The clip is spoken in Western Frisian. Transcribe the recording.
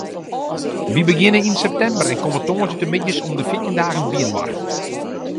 Wy begjinne yn septimber en komme tongersdeitemiddeis om de fjirtjin dagen byinoar.